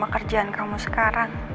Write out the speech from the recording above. sama kerjaan kamu sekarang